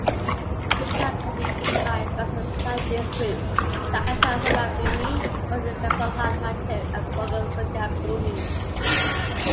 Cicurug can be reached by buses plying these routes: Jakarta-Sukabumi, Bogor-Pelabuhan Ratu and Bogor-Sukabumi.